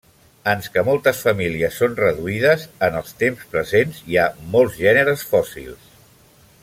Ans que moltes famílies són reduïdes en els temps presents, hi ha molts gèneres fòssils.